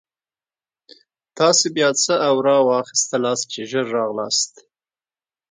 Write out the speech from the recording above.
تاسې بیا څه اورا واخیستلاست چې ژر راغلاست.